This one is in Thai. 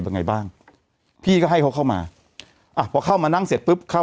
ยังไงบ้างพี่ก็ให้เขาเข้ามาอ่าพอเข้ามานั่งเสร็จปุ๊บเข้า